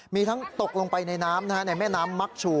มีทั้งตกลงไปในน้ำในแม่น้ำมักชู